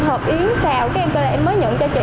hợp yến xào cái em kêu là em mới nhận cho chị